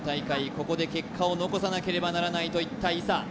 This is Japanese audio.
ここで結果を残さなければならないといった伊佐